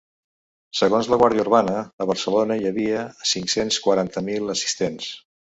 Segons la guàrdia urbana, a Barcelona hi havia cinc-cents quaranta mil assistents.